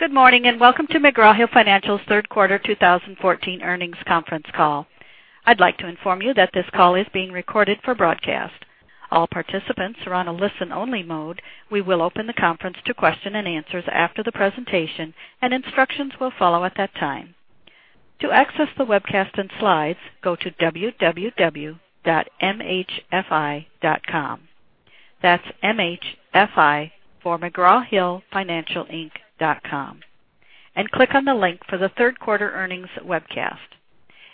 Good morning, welcome to McGraw Hill Financial's third quarter 2014 earnings conference call. I'd like to inform you that this call is being recorded for broadcast. All participants are on a listen-only mode. We will open the conference to question and answers after the presentation, and instructions will follow at that time. To access the webcast and slides, go to www.mhfi.com. That's M-H-F-I for mcgrawhillfinancialinc.com and click on the link for the third quarter earnings webcast.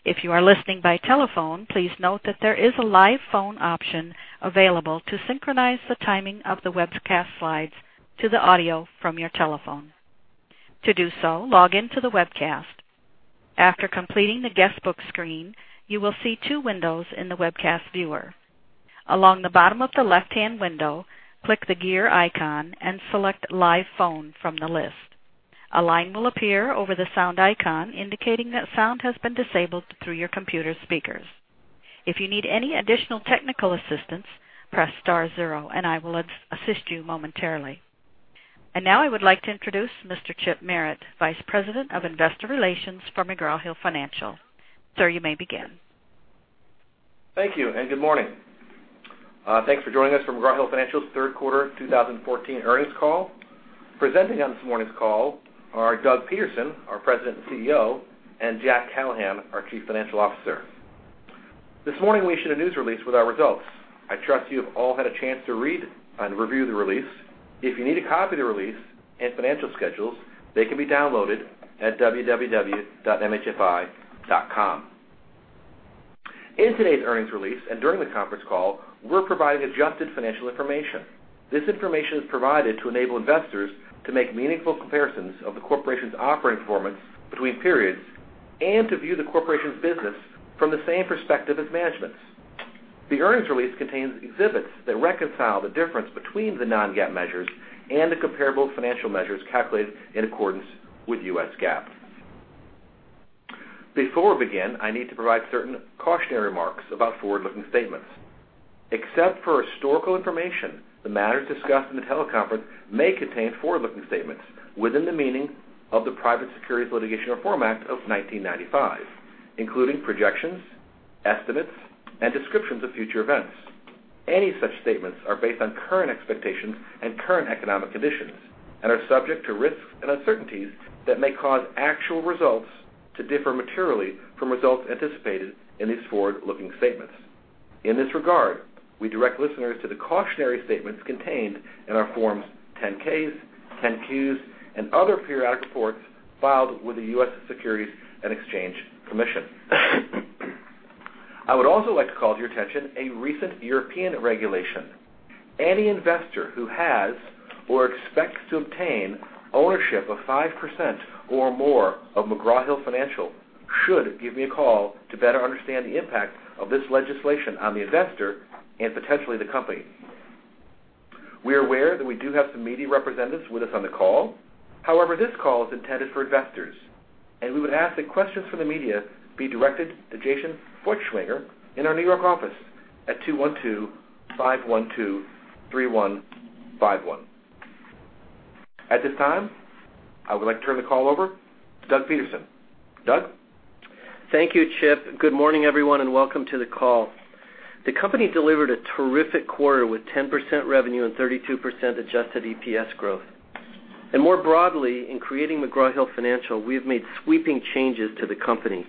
If you are listening by telephone, please note that there is a live phone option available to synchronize the timing of the webcast slides to the audio from your telephone. To do so, log in to the webcast. After completing the guestbook screen, you will see two windows in the webcast viewer. Along the bottom of the left-hand window, click the gear icon and select Live Phone from the list. A line will appear over the sound icon indicating that sound has been disabled through your computer speakers. If you need any additional technical assistance, press star 0 and I will assist you momentarily. Now I would like to introduce Mr. Chip Merritt, Vice President of Investor Relations for McGraw Hill Financial. Sir, you may begin. Thank you and good morning. Thanks for joining us for McGraw Hill Financial's third quarter 2014 earnings call. Presenting on this morning's call are Doug Peterson, our President and CEO, and Jack Callahan, our Chief Financial Officer. This morning we issued a news release with our results. I trust you've all had a chance to read and review the release. If you need a copy of the release and financial schedules, they can be downloaded at www.mhfi.com. In today's earnings release and during the conference call, we're providing adjusted financial information. This information is provided to enable investors to make meaningful comparisons of the corporation's operating performance between periods and to view the corporation's business from the same perspective as management's. The earnings release contains exhibits that reconcile the difference between the non-GAAP measures and the comparable financial measures calculated in accordance with U.S. GAAP. Before we begin, I need to provide certain cautionary remarks about forward-looking statements. Except for historical information, the matters discussed in the teleconference may contain forward-looking statements within the meaning of the Private Securities Litigation Reform Act of 1995, including projections, estimates, and descriptions of future events. Any such statements are based on current expectations and current economic conditions and are subject to risks and uncertainties that may cause actual results to differ materially from results anticipated in these forward-looking statements. In this regard, we direct listeners to the cautionary statements contained in our Forms 10-Ks, 10-Qs, and other periodic reports filed with the U.S. Securities and Exchange Commission. I would also like to call to your attention a recent European regulation. Any investor who has or expects to obtain ownership of 5% or more of McGraw Hill Financial should give me a call to better understand the impact of this legislation on the investor and potentially the company. We are aware that we do have some media representatives with us on the call. However, this call is intended for investors, and we would ask that questions from the media be directed to Jason Feuchtwanger in our New York office at 212-512-3151. At this time, I would like to turn the call over to Doug Peterson. Doug? Thank you, Chip. Good morning, everyone, and welcome to the call. The company delivered a terrific quarter with 10% revenue and 32% adjusted EPS growth. More broadly, in creating McGraw Hill Financial, we have made sweeping changes to the company.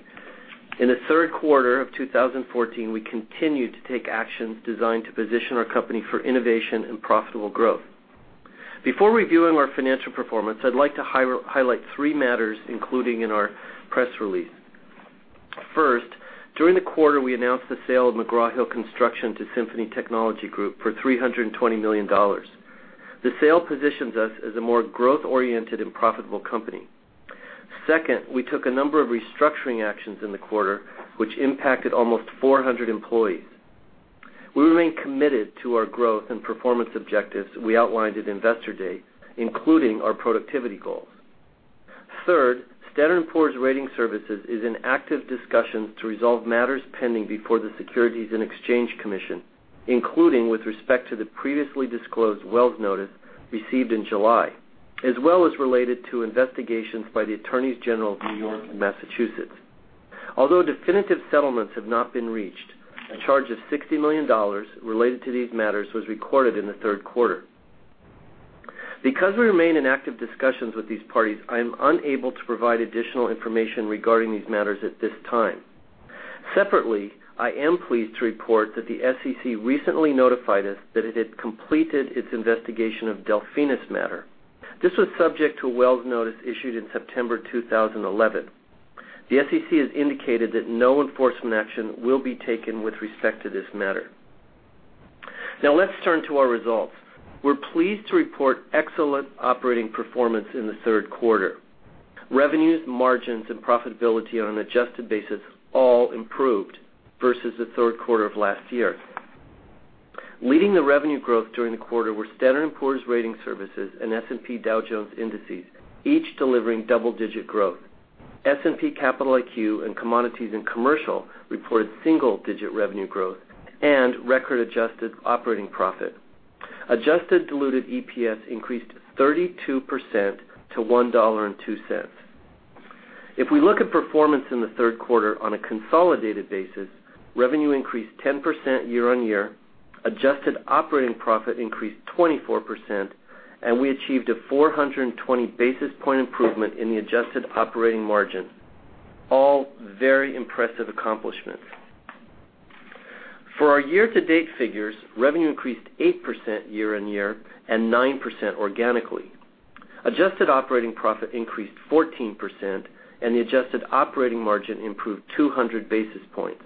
In the third quarter of 2014, we continued to take actions designed to position our company for innovation and profitable growth. Before reviewing our financial performance, I'd like to highlight three matters including in our press release. First, during the quarter, we announced the sale of McGraw Hill Construction to Symphony Technology Group for $320 million. The sale positions us as a more growth-oriented and profitable company. Second, we took a number of restructuring actions in the quarter, which impacted almost 400 employees. We remain committed to our growth and performance objectives we outlined at Investor Day, including our productivity goals. Third, Standard & Poor's Ratings Services is in active discussions to resolve matters pending before the Securities and Exchange Commission, including with respect to the previously disclosed Wells notice received in July, as well as related to investigations by the Attorneys General of New York and Massachusetts. Although definitive settlements have not been reached, a charge of $60 million related to these matters was recorded in the third quarter. Because we remain in active discussions with these parties, I am unable to provide additional information regarding these matters at this time. Separately, I am pleased to report that the SEC recently notified us that it had completed its investigation of Delphinus matter. This was subject to a Wells notice issued in September 2011. The SEC has indicated that no enforcement action will be taken with respect to this matter. Now let's turn to our results. We're pleased to report excellent operating performance in the third quarter. Revenues, margins, and profitability on an adjusted basis all improved versus the third quarter of last year. Leading the revenue growth during the quarter were Standard & Poor's Ratings Services and S&P Dow Jones Indices, each delivering double-digit growth. S&P Capital IQ and Commodities and Commercial reported single-digit revenue growth and record adjusted operating profit. Adjusted diluted EPS increased 32% to $1.02. If we look at performance in the third quarter on a consolidated basis, revenue increased 10% year-on-year, adjusted operating profit increased 24%, and we achieved a 420 basis point improvement in the adjusted operating margin. All very impressive accomplishments. For our year-to-date figures, revenue increased 8% year-on-year and 9% organically. Adjusted operating profit increased 14%, and the adjusted operating margin improved 200 basis points.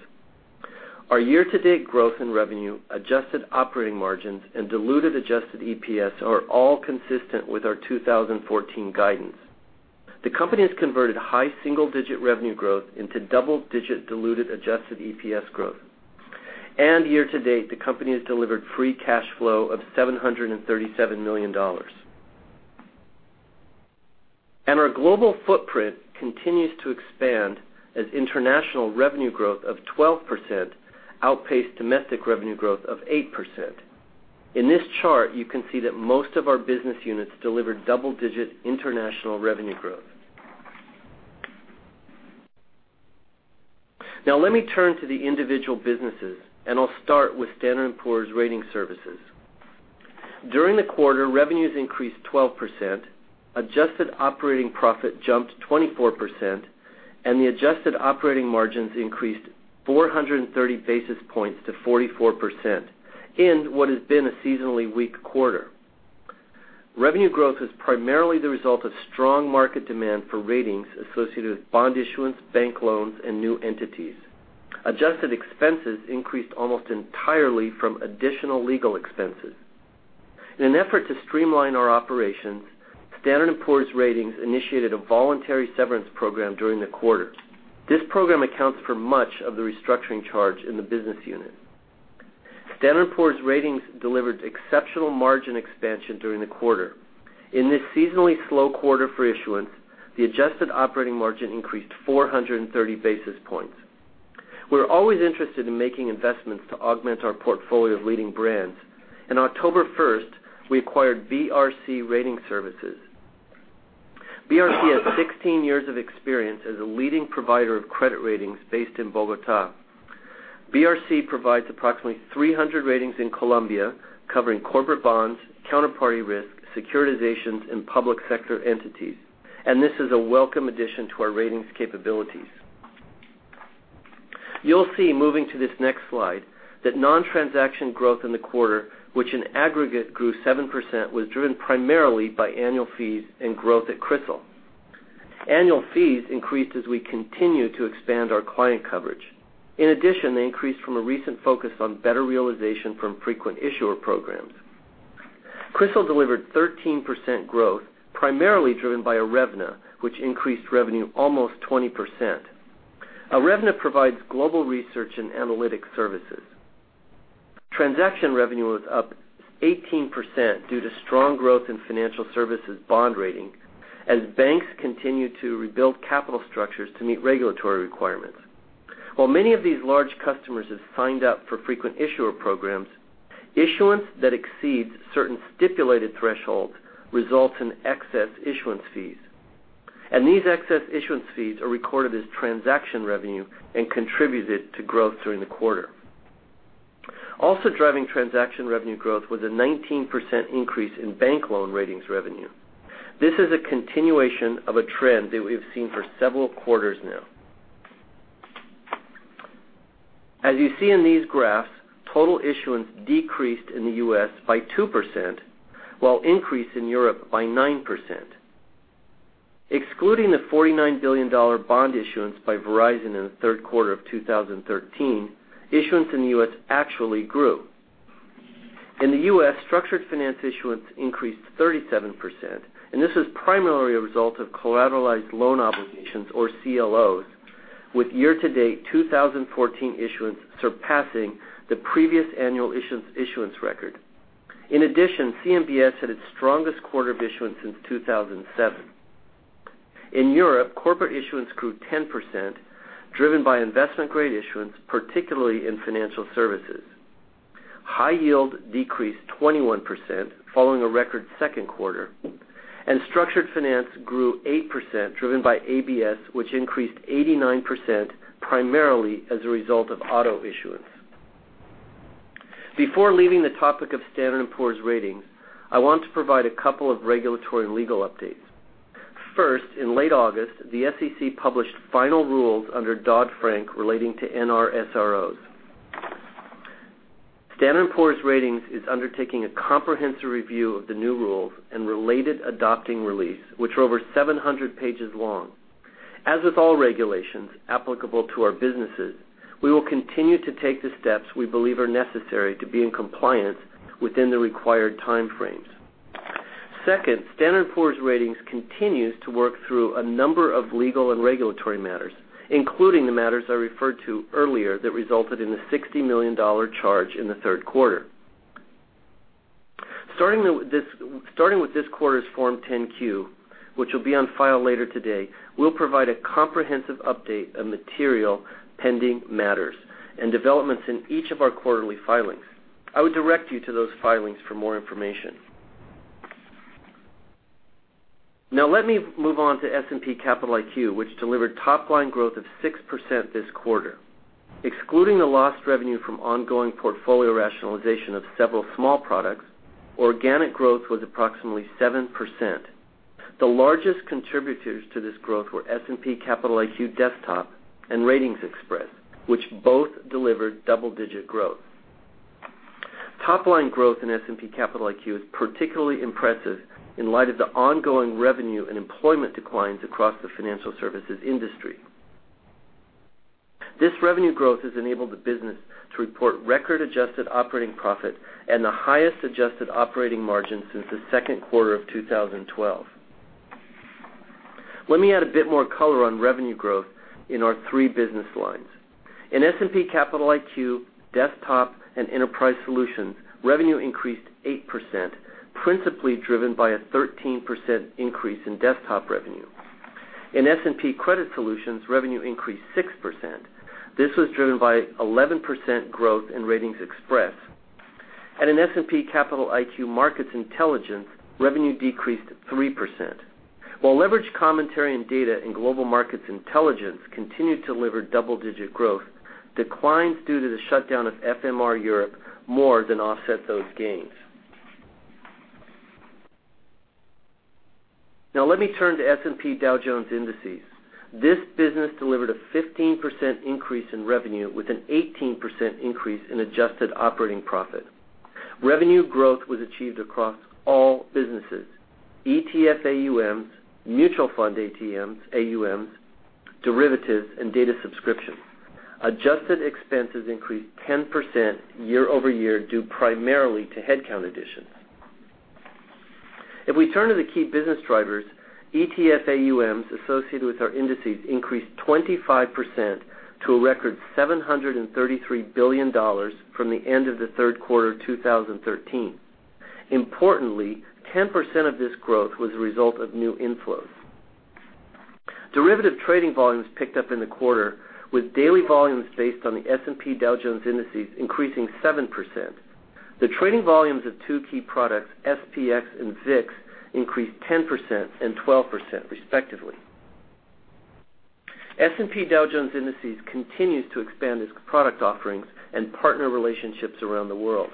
Our year-to-date growth in revenue, adjusted operating margins, and diluted adjusted EPS are all consistent with our 2014 guidance. The company has converted high single-digit revenue growth into double-digit diluted adjusted EPS growth. Year-to-date, the company has delivered free cash flow of $737 million. Our global footprint continues to expand as international revenue growth of 12% outpaced domestic revenue growth of 8%. In this chart, you can see that most of our business units delivered double-digit international revenue growth. Let me turn to the individual businesses, and I'll start with Standard & Poor's Ratings Services. During the quarter, revenues increased 12%, adjusted operating profit jumped 24%, and the adjusted operating margins increased 430 basis points to 44% in what has been a seasonally weak quarter. Revenue growth is primarily the result of strong market demand for ratings associated with bond issuance, bank loans, and new entities. Adjusted expenses increased almost entirely from additional legal expenses. In an effort to streamline our operations, Standard & Poor's Ratings initiated a voluntary severance program during the quarter. This program accounts for much of the restructuring charge in the business unit. Standard & Poor's Ratings delivered exceptional margin expansion during the quarter. In this seasonally slow quarter for issuance, the adjusted operating margin increased 430 basis points. We're always interested in making investments to augment our portfolio of leading brands. On October 1st, we acquired BRC Rating Services. BRC has 16 years of experience as a leading provider of credit ratings based in Bogota. BRC provides approximately 300 ratings in Colombia, covering corporate bonds, counterparty risk, securitizations, and public sector entities. This is a welcome addition to our ratings capabilities. You'll see, moving to this next slide, that non-transaction growth in the quarter, which in aggregate grew 7%, was driven primarily by annual fees and growth at CRISIL. Annual fees increased as we continue to expand our client coverage. In addition, they increased from a recent focus on better realization from frequent issuer programs. CRISIL delivered 13% growth, primarily driven by Irevna, which increased revenue almost 20%. Irevna provides global research and analytics services. Transaction revenue was up 18% due to strong growth in financial services bond rating, as banks continue to rebuild capital structures to meet regulatory requirements. While many of these large customers have signed up for frequent issuer programs, issuance that exceeds certain stipulated thresholds results in excess issuance fees. These excess issuance fees are recorded as transaction revenue and contributed to growth during the quarter. Also driving transaction revenue growth was a 19% increase in bank loan ratings revenue. This is a continuation of a trend that we've seen for several quarters now. As you see in these graphs, total issuance decreased in the U.S. by 2%, while increase in Europe by 9%. Excluding the $49 billion bond issuance by Verizon in the third quarter of 2013, issuance in the U.S. actually grew. In the U.S., structured finance issuance increased 37%, and this is primarily a result of collateralized loan obligations, or CLOs, with year-to-date 2014 issuance surpassing the previous annual issuance record. In addition, CMBS had its strongest quarter of issuance since 2007. In Europe, corporate issuance grew 10%, driven by investment-grade issuance, particularly in financial services. High yield decreased 21%, following a record second quarter, and structured finance grew 8%, driven by ABS, which increased 89%, primarily as a result of auto issuance. Before leaving the topic of Standard & Poor's Ratings, I want to provide a couple of regulatory and legal updates. First, in late August, the SEC published final rules under Dodd-Frank relating to NRSROs. Standard & Poor's Ratings is undertaking a comprehensive review of the new rules and related adopting release, which are over 700 pages long. As with all regulations applicable to our businesses, we will continue to take the steps we believe are necessary to be in compliance within the required time frames. Second, Standard & Poor's Ratings continues to work through a number of legal and regulatory matters, including the matters I referred to earlier that resulted in the $60 million charge in the third quarter. Starting with this quarter's Form 10-Q, which will be on file later today, we'll provide a comprehensive update of material pending matters and developments in each of our quarterly filings. I would direct you to those filings for more information. Let me move on to S&P Capital IQ, which delivered top-line growth of 6% this quarter. Excluding the lost revenue from ongoing portfolio rationalization of several small products, organic growth was approximately 7%. The largest contributors to this growth were S&P Capital IQ Desktop and RatingsXpress, which both delivered double-digit growth. Top-line growth in S&P Capital IQ is particularly impressive in light of the ongoing revenue and employment declines across the financial services industry. This revenue growth has enabled the business to report record adjusted operating profit and the highest adjusted operating margin since the second quarter of 2012. Let me add a bit more color on revenue growth in our three business lines. In S&P Capital IQ, Desktop and Enterprise Solutions, revenue increased 8%, principally driven by a 13% increase in desktop revenue. In S&P Credit Solutions, revenue increased 6%. This was driven by 11% growth in RatingsXpress. In S&P Global Market Intelligence, revenue decreased 3%. While Leveraged Commentary & Data in Global Markets Intelligence continued to deliver double-digit growth, declines due to the shutdown of FMR Europe more than offset those gains. Let me turn to S&P Dow Jones Indices. This business delivered a 15% increase in revenue with an 18% increase in adjusted operating profit. Revenue growth was achieved across all businesses, ETF AUMs, mutual fund AUMs, derivatives, and data subscriptions. Adjusted expenses increased 10% year-over-year, due primarily to headcount additions. If we turn to the key business drivers, ETF AUMs associated with our indices increased 25% to a record $733 billion from the end of the third quarter 2013. Importantly, 10% of this growth was a result of new inflows. Derivative trading volumes picked up in the quarter, with daily volumes based on the S&P Dow Jones Indices increasing 7%. The trading volumes of two key products, SPX and VIX, increased 10% and 12%, respectively. S&P Dow Jones Indices continues to expand its product offerings and partner relationships around the world.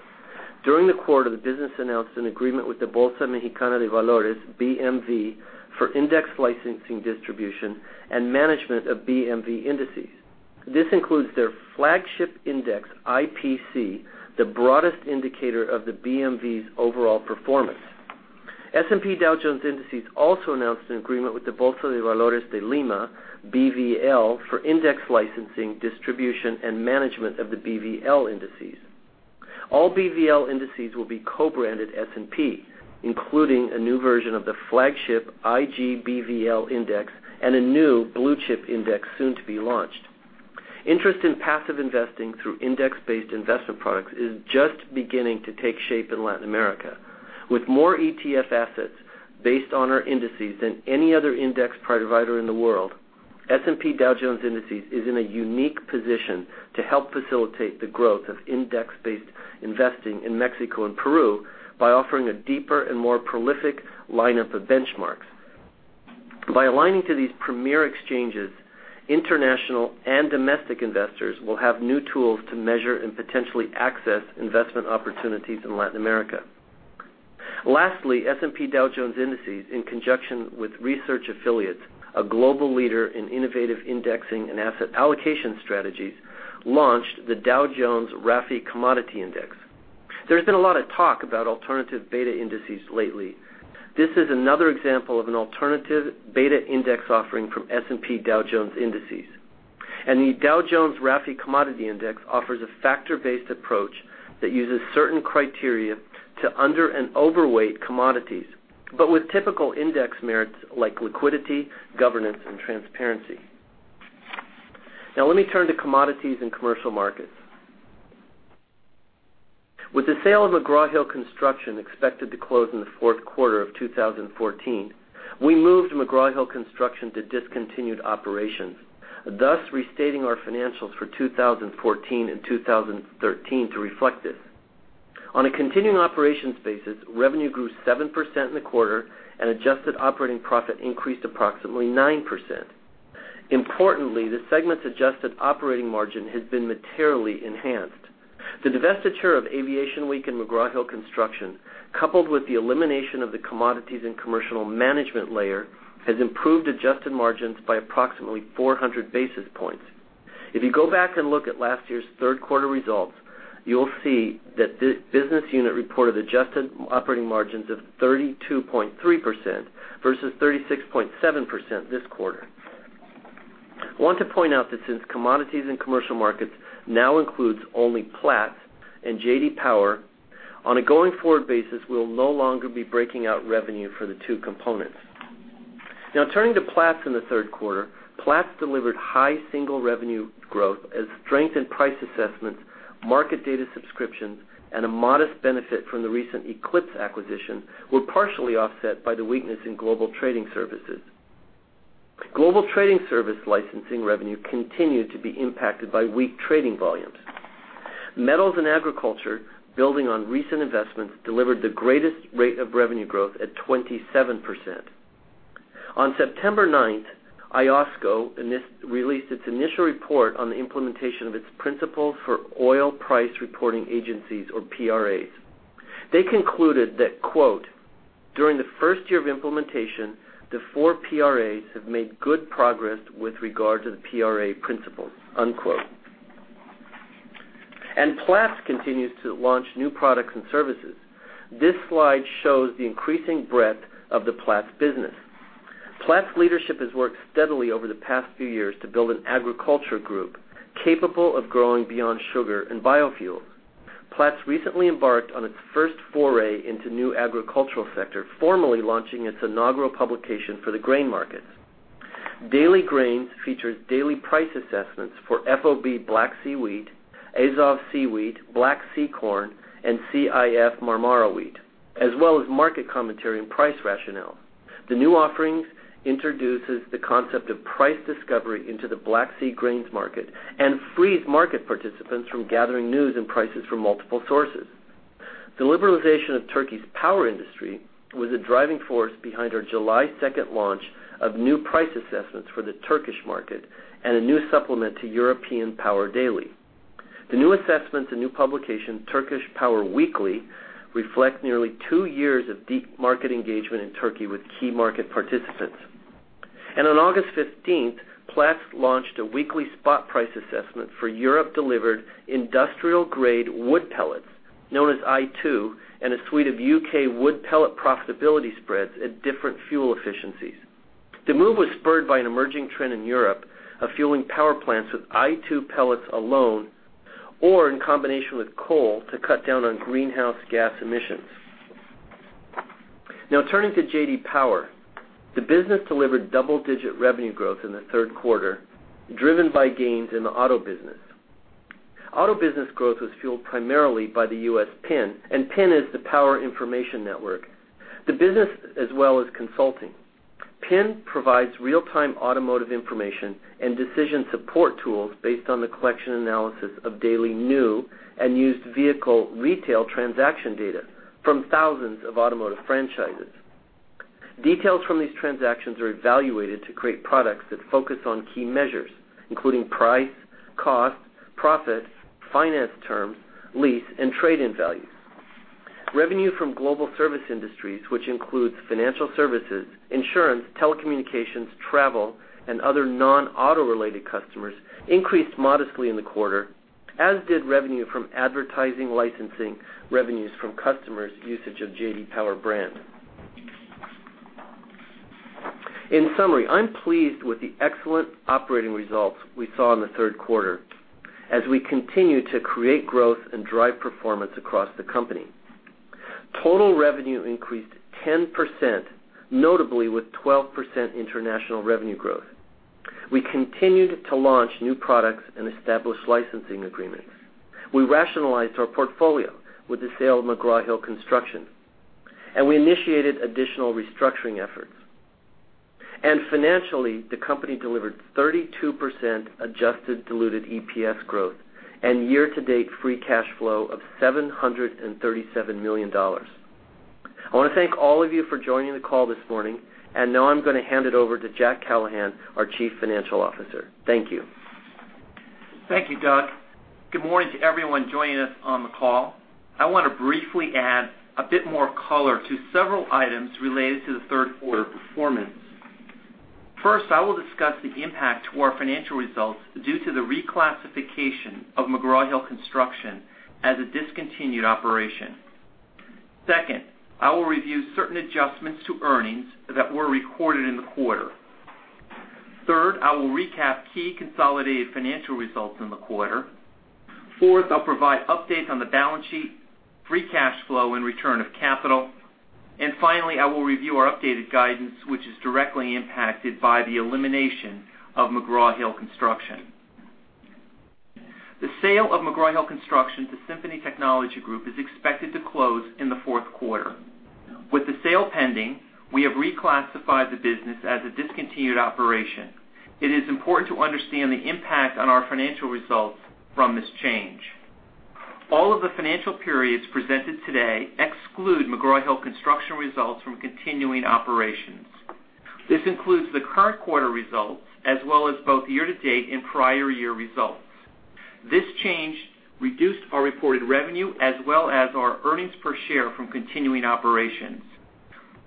During the quarter, the business announced an agreement with the Bolsa Mexicana de Valores, BMV, for index licensing distribution and management of BMV indices. This includes their flagship index, IPC, the broadest indicator of the BMV's overall performance. S&P Dow Jones Indices also announced an agreement with the Bolsa de Valores de Lima, BVL, for index licensing distribution and management of the BVL indices. All BVL indices will be co-branded S&P, including a new version of the flagship IGBVL index and a new blue-chip index soon to be launched. Interest in passive investing through index-based investment products is just beginning to take shape in Latin America. With more ETF assets based on our indices than any other index provider in the world, S&P Dow Jones Indices is in a unique position to help facilitate the growth of index-based investing in Mexico and Peru by offering a deeper and more prolific lineup of benchmarks. By aligning to these premier exchanges, international and domestic investors will have new tools to measure and potentially access investment opportunities in Latin America. Lastly, S&P Dow Jones Indices, in conjunction with Research Affiliates, a global leader in innovative indexing and asset allocation strategies, launched the Dow Jones RAFI Commodity Index. There's been a lot of talk about alternative beta indices lately. This is another example of an alternative beta index offering from S&P Dow Jones Indices. The Dow Jones RAFI Commodity Index offers a factor-based approach that uses certain criteria to under and overweight commodities, but with typical index merits like liquidity, governance, and transparency. Now let me turn to commodities and commercial markets. With the sale of McGraw Hill Construction expected to close in the fourth quarter of 2014, we moved McGraw Hill Construction to discontinued operations, thus restating our financials for 2014 and 2013 to reflect this. On a continuing operations basis, revenue grew 7% in the quarter, and adjusted operating profit increased approximately 9%. Importantly, the segment's adjusted operating margin has been materially enhanced. The divestiture of Aviation Week and McGraw Hill Construction, coupled with the elimination of the commodities and commercial management layer, has improved adjusted margins by approximately 400 basis points. If you go back and look at last year's third quarter results, you'll see that this business unit reported adjusted operating margins of 32.3% versus 36.7% this quarter. I want to point out that since commodities and commercial markets now includes only Platts and J.D. Power, on a going-forward basis, we'll no longer be breaking out revenue for the two components. Now turning to Platts in the third quarter. Platts delivered high single revenue growth as strength in price assessments, market data subscriptions, and a modest benefit from the recent Eclipse acquisition were partially offset by the weakness in global trading services. Global trading service licensing revenue continued to be impacted by weak trading volumes. Metals and agriculture, building on recent investments, delivered the greatest rate of revenue growth at 27%. On September 9th, IOSCO released its initial report on the implementation of its principle for Oil Price Reporting Agencies or PRAs. They concluded that, quote, "During the first year of implementation, the four PRAs have made good progress with regard to the PRA principles." Unquote. Platts continues to launch new products and services. This slide shows the increasing breadth of the Platts business. Platts leadership has worked steadily over the past few years to build an agriculture group capable of growing beyond sugar and biofuels. Platts recently embarked on its first foray into new agricultural sector, formally launching its inaugural publication for the grain markets. Daily Grains features daily price assessments for FOB Black Sea Wheat, Azov Sea Wheat, Black Sea Corn and CIF Marmara Wheat, as well as market commentary and price rationale. The new offerings introduces the concept of price discovery into the Black Sea grains market and frees market participants from gathering news and prices from multiple sources. The liberalization of Turkey's power industry was a driving force behind our July 2nd launch of new price assessments for the Turkish market and a new supplement to European Power Daily. The new assessments and new publication, Turkish Power Weekly, reflect nearly two years of deep market engagement in Turkey with key market participants. On August 15th, Platts launched a weekly spot price assessment for Europe-delivered industrial-grade wood pellets, known as I2, and a suite of U.K. wood pellet profitability spreads at different fuel efficiencies. The move was spurred by an emerging trend in Europe of fueling power plants with I2 pellets alone or in combination with coal to cut down on greenhouse gas emissions. Now turning to J.D. Power. The business delivered double-digit revenue growth in the third quarter, driven by gains in the auto business. Auto business growth was fueled primarily by the U.S. PIN, and PIN is the Power Information Network. The business as well as consulting. PIN provides real-time automotive information and decision support tools based on the collection and analysis of daily new and used vehicle retail transaction data from thousands of automotive franchises. Details from these transactions are evaluated to create products that focus on key measures, including price, cost, profit, finance terms, lease, and trade-in values. Revenue from global service industries, which includes financial services, insurance, telecommunications, travel, and other non-auto related customers, increased modestly in the quarter, as did revenue from advertising and licensing revenues from customers' usage of J.D. Power brand. I'm pleased with the excellent operating results we saw in the third quarter as we continue to create growth and drive performance across the company. Total revenue increased 10%, notably with 12% international revenue growth. We continued to launch new products and establish licensing agreements. We rationalized our portfolio with the sale of McGraw Hill Construction, and we initiated additional restructuring efforts. Financially, the company delivered 32% adjusted diluted EPS growth and year-to-date free cash flow of $737 million. I want to thank all of you for joining the call this morning, and now I'm going to hand it over to Jack Callahan, our Chief Financial Officer. Thank you. Thank you, Doug. Good morning to everyone joining us on the call. I want to briefly add a bit more color to several items related to the third quarter performance. First, I will discuss the impact to our financial results due to the reclassification of McGraw Hill Construction as a discontinued operation. Second, I will review certain adjustments to earnings that were recorded in the quarter. Third, I will recap key consolidated financial results in the quarter. Fourth, I'll provide updates on the balance sheet, free cash flow, and return of capital. Finally, I will review our updated guidance, which is directly impacted by the elimination of McGraw Hill Construction. The sale of McGraw Hill Construction to Symphony Technology Group is expected to close in the fourth quarter. With the sale pending, we have reclassified the business as a discontinued operation. It is important to understand the impact on our financial results from this change. All of the financial periods presented today exclude McGraw Hill Construction results from continuing operations. This includes the current quarter results, as well as both year-to-date and prior year results. This change reduced our reported revenue as well as our earnings per share from continuing operations.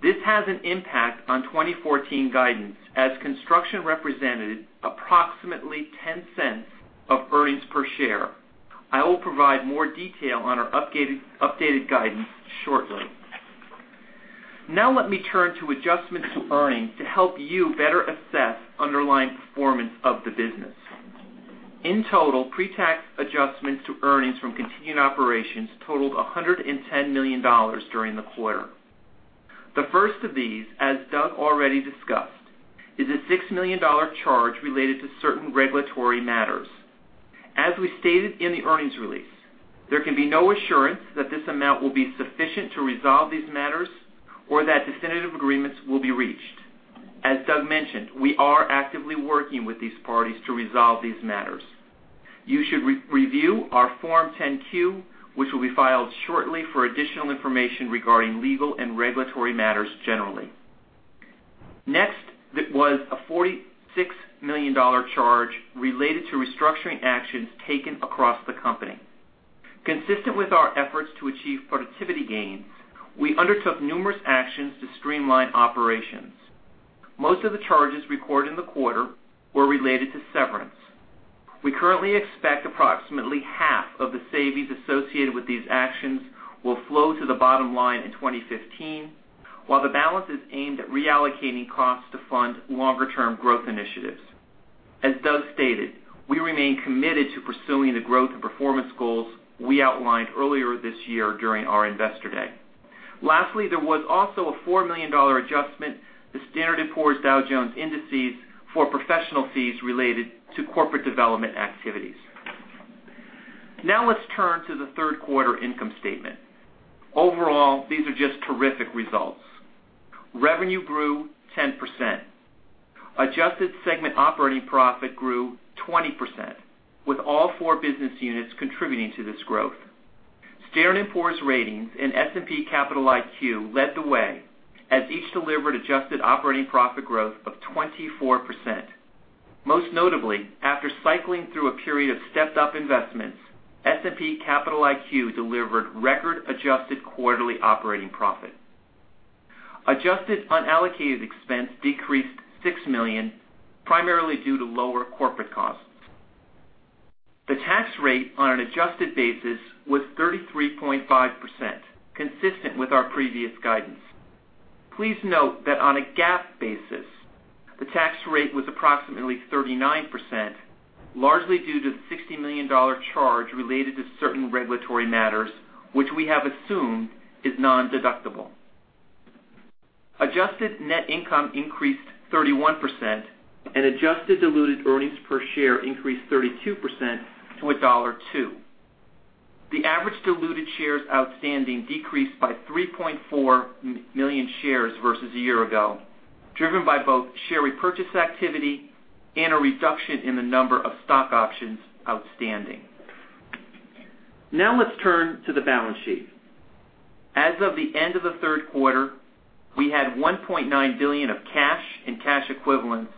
This has an impact on 2014 guidance, as construction represented approximately $0.10 of earnings per share. I will provide more detail on our updated guidance shortly. Let me turn to adjustments to earnings to help you better assess underlying performance of the business. In total, pre-tax adjustments to earnings from continuing operations totaled $110 million during the quarter. The first of these, as Doug already discussed, is a $60 million charge related to certain regulatory matters. As we stated in the earnings release, there can be no assurance that this amount will be sufficient to resolve these matters or that definitive agreements will be reached. As Doug mentioned, we are actively working with these parties to resolve these matters. You should review our Form 10-Q, which will be filed shortly, for additional information regarding legal and regulatory matters generally. Next was a $46 million charge related to restructuring actions taken across the company. Consistent with our efforts to achieve productivity gains, we undertook numerous actions to streamline operations. Most of the charges recorded in the quarter were related to severance. We currently expect approximately half of the savings associated with these actions will flow to the bottom line in 2015, while the balance is aimed at reallocating costs to fund longer-term growth initiatives. As Doug stated, we remain committed to pursuing the growth and performance goals we outlined earlier this year during our Investor Day. Lastly, there was also a $4 million adjustment to Standard & Poor's Dow Jones Indices for professional fees related to corporate development activities. Let's turn to the third quarter income statement. Overall, these are just terrific results. Revenue grew 10%. Adjusted segment operating profit grew 20%, with all four business units contributing to this growth. Standard & Poor's Ratings and S&P Capital IQ led the way, as each delivered adjusted operating profit growth of 24%. Most notably, after cycling through a period of stepped-up investments, S&P Capital IQ delivered record adjusted quarterly operating profit. Adjusted unallocated expense decreased $6 million, primarily due to lower corporate costs. The tax rate on an adjusted basis was 33.5%, consistent with our previous guidance. Please note that on a GAAP basis, the tax rate was approximately 39%, largely due to the $60 million charge related to certain regulatory matters, which we have assumed is non-deductible. Adjusted net income increased 31%, and adjusted diluted earnings per share increased 32% to $1.02. The average diluted shares outstanding decreased by 3.4 million shares versus a year ago, driven by both share repurchase activity and a reduction in the number of stock options outstanding. Let's turn to the balance sheet. As of the end of the third quarter, we had $1.9 billion of cash and cash equivalents,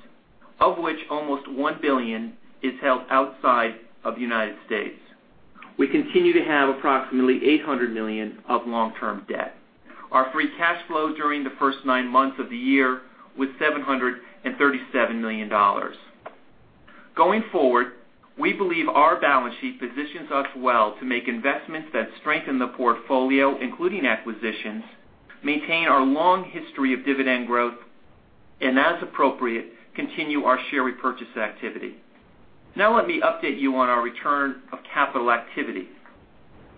of which almost $1 billion is held outside of the U.S. We continue to have approximately $800 million of long-term debt. Our free cash flow during the first nine months of the year was $737 million. Going forward, we believe our balance sheet positions us well to make investments that strengthen the portfolio, including acquisitions, maintain our long history of dividend growth, and as appropriate, continue our share repurchase activity. Let me update you on our return of capital activity.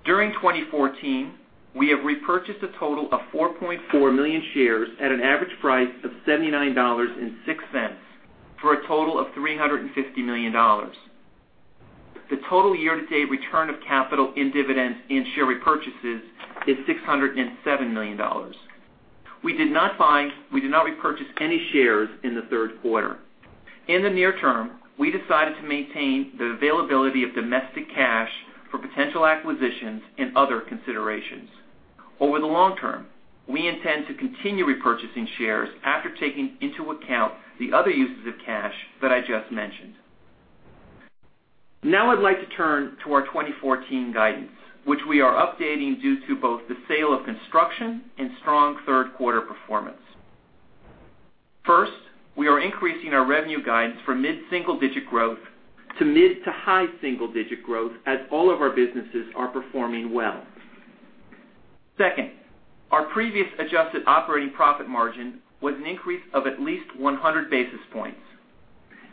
During 2014, we have repurchased a total of 4.4 million shares at an average price of $79.06 for a total of $350 million. The total year-to-date return of capital in dividends and share repurchases is $607 million. We did not repurchase any shares in the third quarter. In the near term, we decided to maintain the availability of domestic cash for potential acquisitions and other considerations. Over the long term, we intend to continue repurchasing shares after taking into account the other uses of cash that I just mentioned. I'd like to turn to our 2014 guidance, which we are updating due to both the sale of Construction and strong third quarter performance. We are increasing our revenue guidance from mid-single-digit growth to mid-to-high single-digit growth as all of our businesses are performing well. Our previous adjusted operating profit margin was an increase of at least 100 basis points.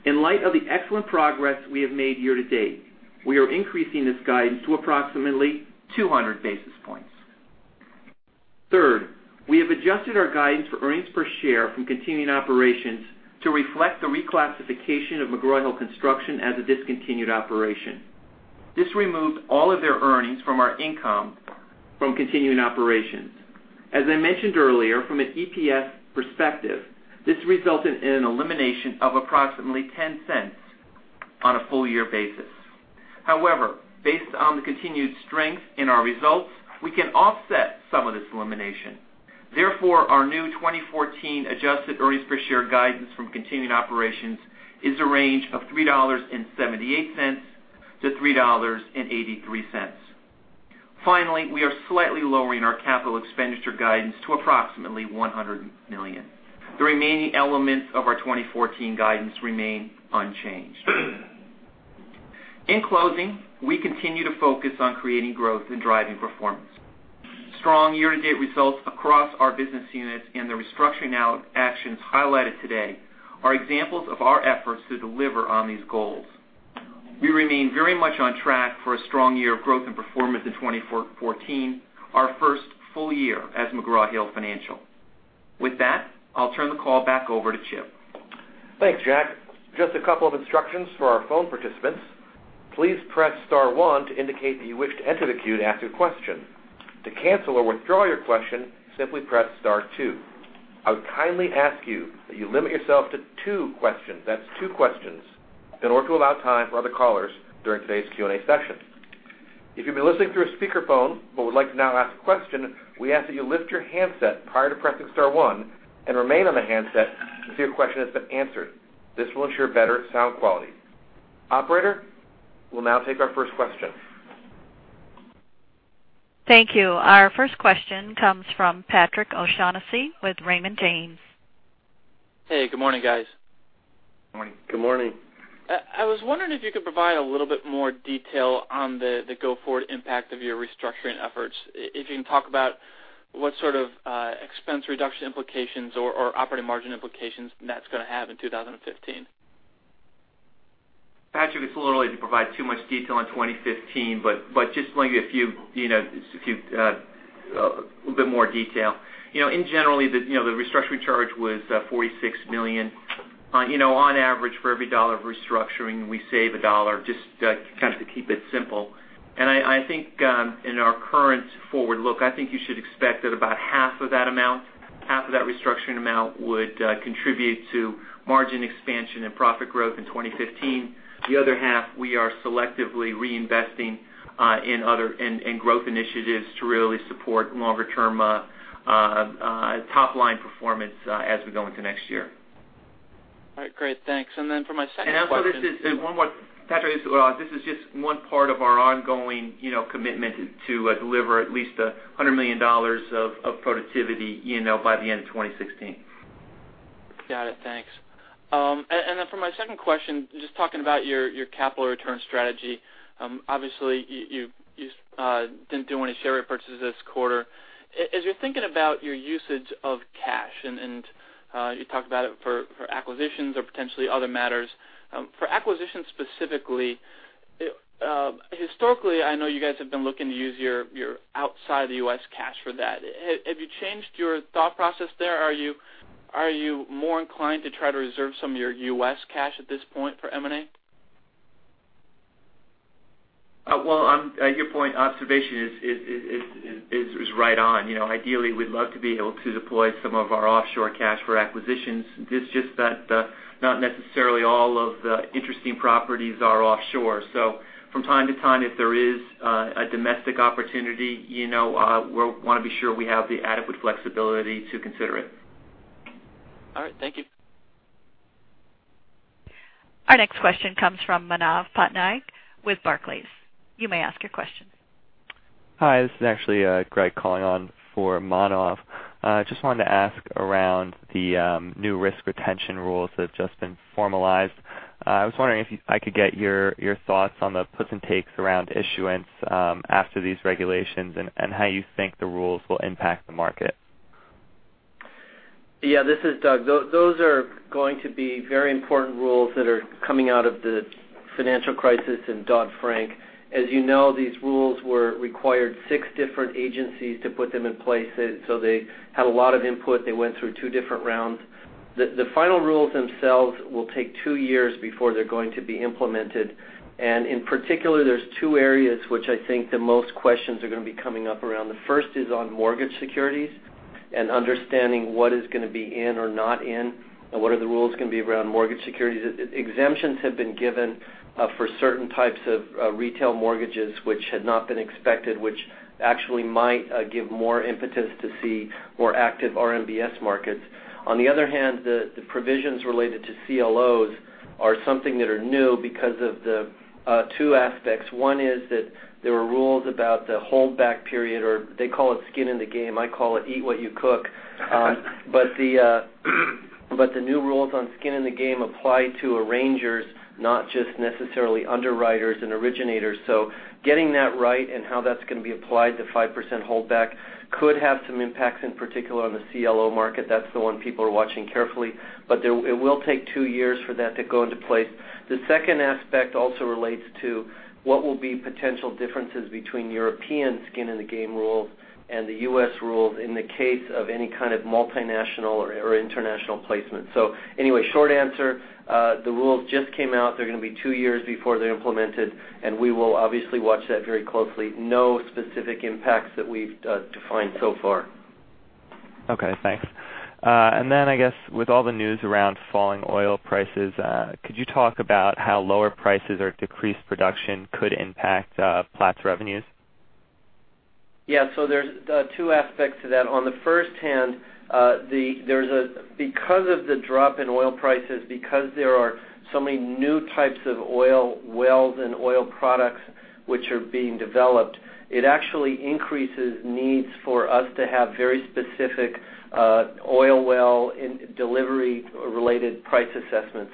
In light of the excellent progress we have made year to date, we are increasing this guidance to approximately 200 basis points. We have adjusted our guidance for earnings per share from continuing operations to reflect the reclassification of McGraw Hill Construction as a discontinued operation. This removed all of their earnings from our income from continuing operations. As I mentioned earlier, from an EPS perspective, this resulted in an elimination of approximately $0.10 on a full year basis. However, based on the continued strength in our results, we can offset some of this elimination. Our new 2014 adjusted earnings per share guidance from continuing operations is a range of $3.78-$3.83. We are slightly lowering our capital expenditure guidance to approximately $100 million. The remaining elements of our 2014 guidance remain unchanged. We continue to focus on creating growth and driving performance. Strong year-to-date results across our business units and the restructuring actions highlighted today are examples of our efforts to deliver on these goals. We remain very much on track for a strong year of growth and performance in 2014, our first full year as McGraw Hill Financial. I'll turn the call back over to Chip. Thanks, Jack. A couple of instructions for our phone participants. Please press star one to indicate that you wish to enter the queue to ask a question. To cancel or withdraw your question, simply press star two. I would kindly ask you that you limit yourself to two questions. That's two questions, in order to allow time for other callers during today's Q&A session. If you've been listening through a speakerphone but would like to now ask a question, we ask that you lift your handset prior to pressing star one and remain on the handset until your question has been answered. This will ensure better sound quality. We'll now take our first question. Thank you. Our first question comes from Patrick O'Shaughnessy with Raymond James. Hey, good morning, guys. Morning. Good morning. I was wondering if you could provide a little bit more detail on the go-forward impact of your restructuring efforts. If you can talk about what sort of expense reduction implications or operating margin implications that's going to have in 2015. Patrick, it's a little early to provide too much detail on 2015. Just going to give you a little bit more detail. In general, the restructuring charge was $46 million. On average, for every dollar of restructuring, we save a dollar, just to keep it simple. I think in our current forward look, I think you should expect that about half of that restructuring amount would contribute to margin expansion and profit growth in 2015. The other half, we are selectively reinvesting in growth initiatives to really support longer-term top-line performance as we go into next year. All right, great. Thanks. For my second question- Also, Patrick, this is just one part of our ongoing commitment to deliver at least $100 million of productivity by the end of 2016. Got it. Thanks. For my second question, just talking about your capital return strategy. Obviously, you didn't do any share repurchases this quarter. As you're thinking about your usage of cash, you talked about it for acquisitions or potentially other matters, for acquisitions specifically, historically, I know you guys have been looking to use your outside the U.S. cash for that. Have you changed your thought process there? Are you more inclined to try to reserve some of your U.S. cash at this point for M&A? Well, your observation is right on. Ideally, we'd love to be able to deploy some of our offshore cash for acquisitions. It's just that not necessarily all of the interesting properties are offshore. From time to time, if there is a domestic opportunity, we want to be sure we have the adequate flexibility to consider it. All right. Thank you. Our next question comes from Manav Patnaik with Barclays. You may ask your question. Hi, this is actually Greg calling on for Manav. Just wanted to ask around the new risk retention rules that have just been formalized. I was wondering if I could get your thoughts on the puts and takes around issuance after these regulations, and how you think the rules will impact the market. Yeah, this is Doug. Those are going to be very important rules that are coming out of the financial crisis and Dodd-Frank. As you know, these rules required six different agencies to put them in place. They had a lot of input. They went through two different rounds. The final rules themselves will take two years before they're going to be implemented. In particular, there's two areas which I think the most questions are going to be coming up around. The first is on mortgage securities and understanding what is going to be in or not in, and what are the rules going to be around mortgage securities. Exemptions have been given for certain types of retail mortgages which had not been expected, which actually might give more impetus to see more active RMBS markets. On the other hand, the provisions related to CLOs are something that are new because of the two aspects. One is that there were rules about the holdback period, or they call it skin in the game. I call it eat what you cook. The new rules on skin in the game apply to arrangers, not just necessarily underwriters and originators. Getting that right and how that's going to be applied, the 5% holdback could have some impacts, in particular on the CLO market. That's the one people are watching carefully. It will take two years for that to go into place. The second aspect also relates to what will be potential differences between European skin in the game rules and the U.S. rules in the case of any kind of multinational or international placement. Anyway, short answer, the rules just came out. They're going to be two years before they're implemented, we will obviously watch that very closely. No specific impacts that we've defined so far. Okay, thanks. Then I guess with all the news around falling oil prices, could you talk about how lower prices or decreased production could impact Platts revenues? There's two aspects to that. On the first hand, because of the drop in oil prices, because there are so many new types of oil wells and oil products which are being developed, it actually increases needs for us to have very specific oil well delivery-related price assessments.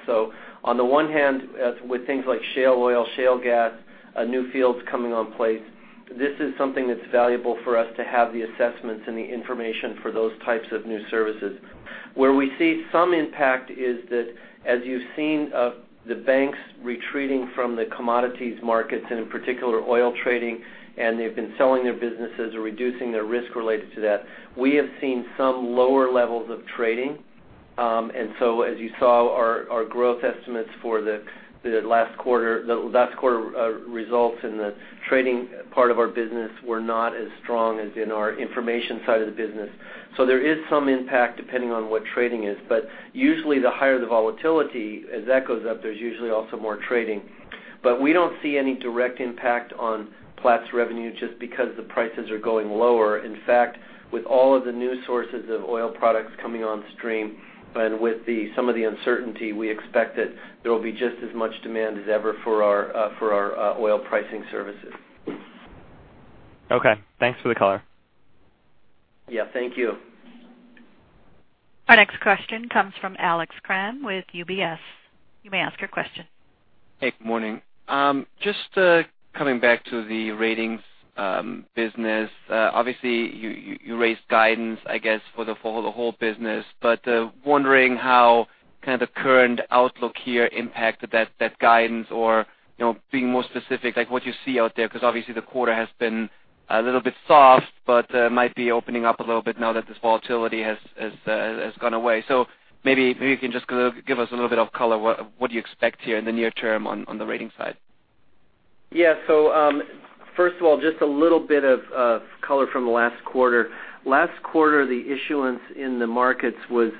On the one hand, with things like shale oil, shale gas, new fields coming on place, this is something that's valuable for us to have the assessments and the information for those types of new services. Where we see some impact is that as you've seen the banks retreating from the commodities markets, and in particular oil trading, and they've been selling their businesses or reducing their risk related to that. We have seen some lower levels of trading. As you saw, our growth estimates for the last quarter results in the trading part of our business were not as strong as in our information side of the business. There is some impact depending on what trading is, but usually the higher the volatility, as that goes up, there's usually also more trading. We don't see any direct impact on Platts revenue just because the prices are going lower. In fact, with all of the new sources of oil products coming on stream and with some of the uncertainty, we expect that there will be just as much demand as ever for our oil pricing services. Okay, thanks for the color. Yeah, thank you. Our next question comes from Alex Kramm with UBS. You may ask your question. Hey, good morning. Coming back to the ratings business. Obviously you raised guidance, I guess, for the whole business, Wondering how the current outlook here impacted that guidance or, being more specific, what you see out there? Obviously the quarter has been a little bit soft, Might be opening up a little bit now that this volatility has gone away. Maybe you can just give us a little bit of color, what do you expect here in the near term on the ratings side? Yeah. First of all, just a little bit of color from last quarter. Last quarter, the issuance in the markets was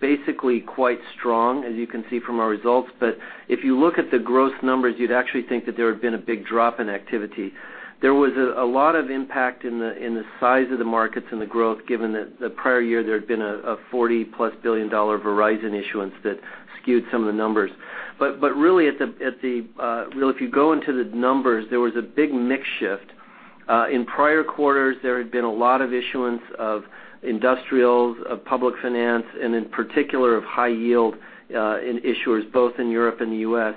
basically quite strong, as you can see from our results. If you look at the growth numbers, you'd actually think that there had been a big drop in activity. There was a lot of impact in the size of the markets and the growth, given that the prior year there had been a $40-plus billion Verizon issuance that skewed some of the numbers. Really, if you go into the numbers, there was a big mix shift. In prior quarters, there had been a lot of issuance of industrials, of public finance, and in particular, of high yield in issuers both in Europe and the U.S.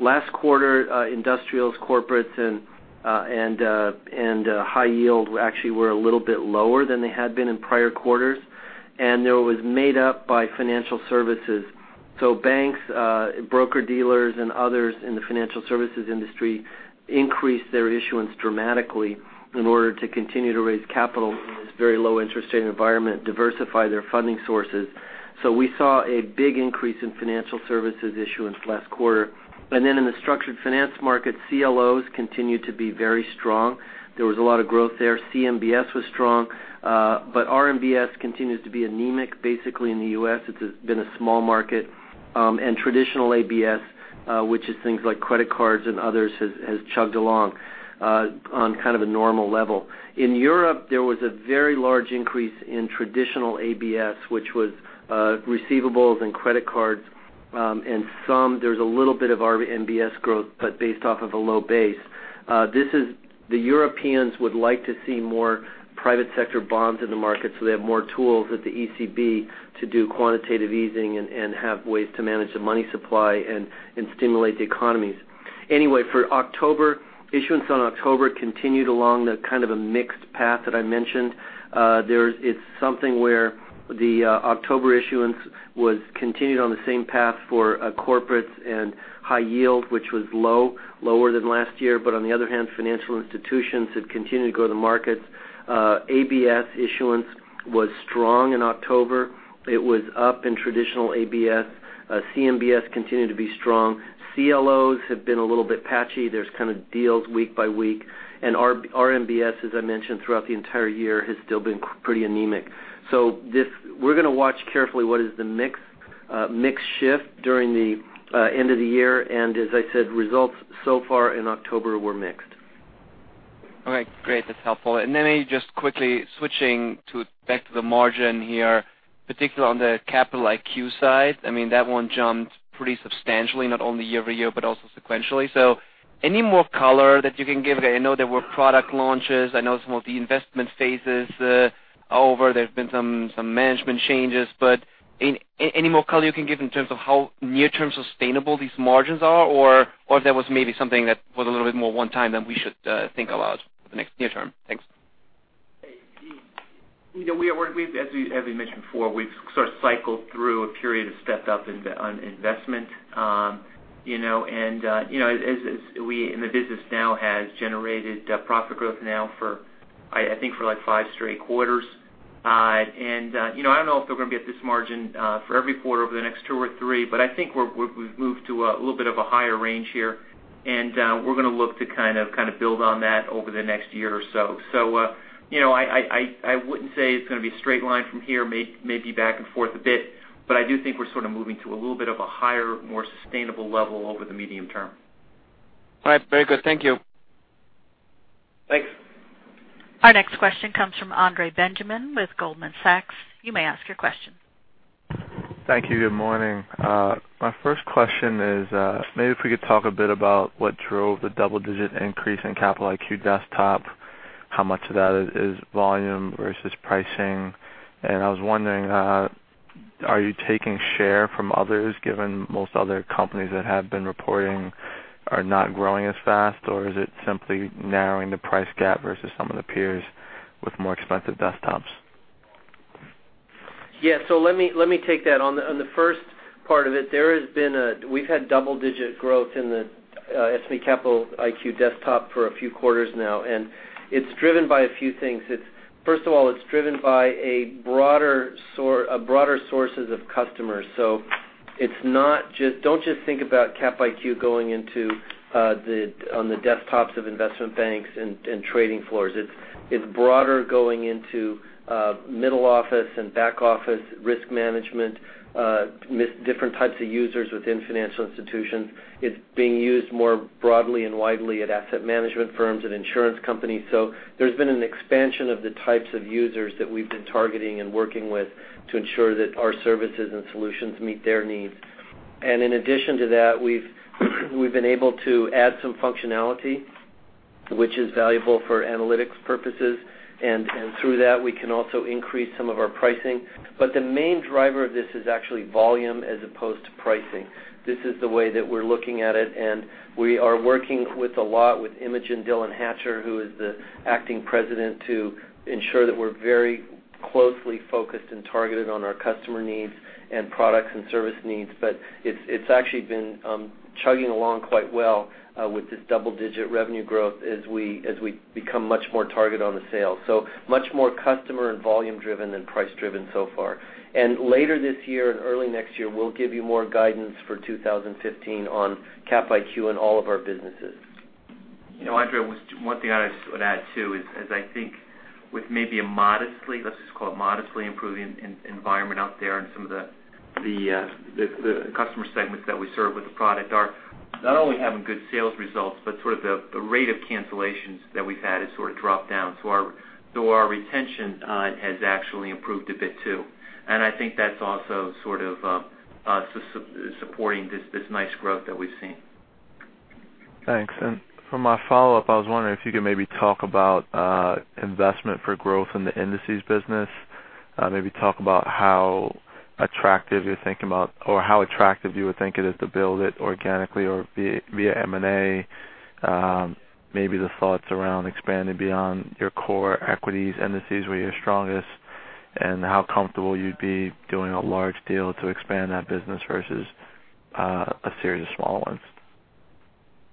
Last quarter, industrials, corporates, and high yield actually were a little bit lower than they had been in prior quarters. It was made up by financial services. Banks, broker-dealers, and others in the financial services industry increased their issuance dramatically in order to continue to raise capital in this very low interest rate environment, diversify their funding sources. We saw a big increase in financial services issuance last quarter. In the structured finance market, CLOs continued to be very strong. There was a lot of growth there. CMBS was strong. RMBS continues to be anemic, basically in the U.S., it's been a small market. Traditional ABS, which is things like credit cards and others, has chugged along on kind of a normal level. In Europe, there was a very large increase in traditional ABS, which was receivables and credit cards. There's a little bit of RMBS growth, but based off of a low base. The Europeans would like to see more private sector bonds in the market so they have more tools at the ECB to do quantitative easing and have ways to manage the money supply and stimulate the economies. For October, issuance on October continued along the kind of a mixed path that I mentioned. It's something where the October issuance continued on the same path for corporates and high yield, which was low, lower than last year. On the other hand, financial institutions had continued to go to the markets. ABS issuance was strong in October. It was up in traditional ABS. CMBS continued to be strong. CLOs have been a little bit patchy. There's kind of deals week by week. RMBS, as I mentioned, throughout the entire year, has still been pretty anemic. We're going to watch carefully what is the mix shift during the end of the year. As I said, results so far in October were mixed. All right, great. That's helpful. Maybe just quickly switching back to the margin here, particularly on the Capital IQ side. That one jumped pretty substantially, not only year-over-year, but also sequentially. Any more color that you can give? I know there were product launches. I know some of the investment phases are over. There's been some management changes. Any more color you can give in terms of how near-term sustainable these margins are? Or if that was maybe something that was a little bit more one-time than we should think about for the next near term. Thanks. As we mentioned before, we've sort of cycled through a period of stepped up on investment. The business now has generated profit growth now for, I think, for five straight quarters. I don't know if they're going to be at this margin for every quarter over the next two or three, but I think we've moved to a little bit of a higher range here, and we're going to look to build on that over the next year or so. I wouldn't say it's going to be a straight line from here, maybe back and forth a bit, but I do think we're sort of moving to a little bit of a higher, more sustainable level over the medium term. All right. Very good. Thank you. Thanks. Our next question comes from Andre Benjamin with Goldman Sachs. You may ask your question. Thank you. Good morning. My first question is maybe if we could talk a bit about what drove the double-digit increase in Capital IQ Desktop, how much of that is volume versus pricing? I was wondering, are you taking share from others, given most other companies that have been reporting are not growing as fast, or is it simply narrowing the price gap versus some of the peers with more expensive desktops? Yes. Let me take that. On the first part of it, we've had double-digit growth in the S&P Capital IQ Desktop for a few quarters now, and it's driven by a few things. First of all, it's driven by broader sources of customers. Don't just think about Capital IQ going into on the desktops of investment banks and trading floors. It's broader going into middle office and back office, risk management, different types of users within financial institutions. It's being used more broadly and widely at asset management firms and insurance companies. There's been an expansion of the types of users that we've been targeting and working with to ensure that our services and solutions meet their needs. In addition to that, we've been able to add some functionality, which is valuable for analytics purposes, and through that, we can also increase some of our pricing. The main driver of this is actually volume as opposed to pricing. This is the way that we're looking at it, and we are working with a lot with Imogen Dillon-Hatcher, who is the acting president, to ensure that we're very closely focused and targeted on our customer needs and products and service needs. It's actually been chugging along quite well with this double-digit revenue growth as we become much more targeted on the sale. Much more customer and volume driven than price driven so far. Later this year and early next year, we'll give you more guidance for 2015 on Capital IQ and all of our businesses. Andre, one thing I would add, too, is I think with maybe a modestly, let's just call it modestly improving environment out there and some of the customer segments that we serve with the product are not only having good sales results, but the rate of cancellations that we've had has dropped down. Our retention has actually improved a bit, too. I think that's also supporting this nice growth that we've seen. Thanks. For my follow-up, I was wondering if you could maybe talk about investment for growth in the indices business. Maybe talk about how attractive you're thinking about, or how attractive you would think it is to build it organically or via M&A. Maybe the thoughts around expanding beyond your core equities indices, where you're strongest, and how comfortable you'd be doing a large deal to expand that business versus a series of small ones.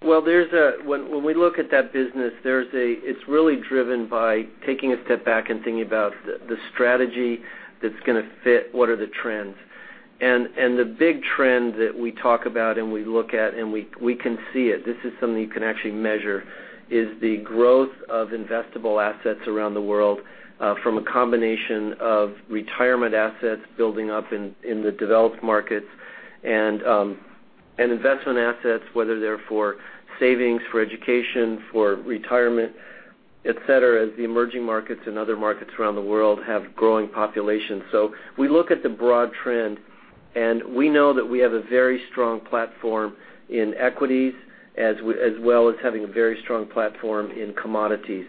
When we look at that business, it's really driven by taking a step back and thinking about the strategy that's going to fit what are the trends. The big trend that we talk about and we look at and we can see it, this is something you can actually measure, is the growth of investable assets around the world from a combination of retirement assets building up in the developed markets and investment assets, whether they're for savings, for education, for retirement, et cetera, as the emerging markets and other markets around the world have growing populations. We look at the broad trend, and we know that we have a very strong platform in equities as well as having a very strong platform in commodities.